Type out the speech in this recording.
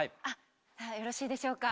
よろしいでしょうか？